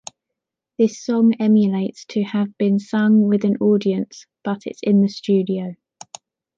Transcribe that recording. This song emulates to have been sung with an audience but it’s in the studio.